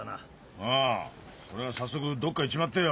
ああそれが早速どっか行っちまってよ。